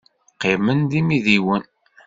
Qqimen d imidiwen.